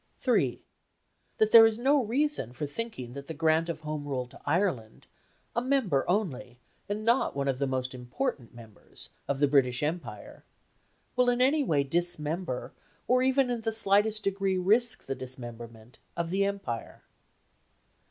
3. That there is no reason for thinking that the grant of Home Rule to Ireland a member only, and not one of the most important members, of the British Empire will in any way dismember, or even in the slightest degree risk the dismemberment of the Empire.